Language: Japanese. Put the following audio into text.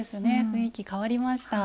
雰囲気変わりました。